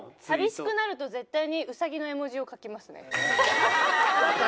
寂しくなると絶対にウサギの絵文字を書きますね。